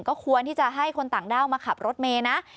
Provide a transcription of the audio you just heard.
ก็ควรที่จะให้คนต่างด้าวมาขับรถเมย์นะ